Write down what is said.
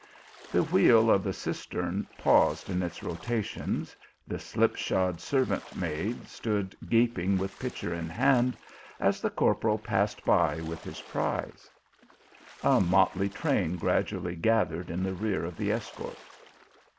The wheel 252 THE ALHAMBRA. of the cistern paused in its rotations ; the slipshod servant maid stood gaping with pitcher in hand, as the corporal passed by with his prize. A motley train gradually gathered in the rear of the escort.